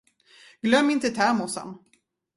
Glöm inte termosen.